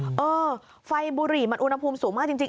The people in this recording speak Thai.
เออไฟบุหรี่มันอุณหภูมิสูงมากจริง